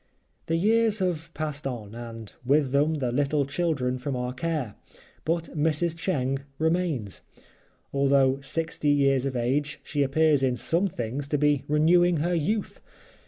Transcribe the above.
The years have passed on and with them the little children from our care, but Mrs. Cheng remains. Although sixty years of age she appears in some things to be renewing her youth!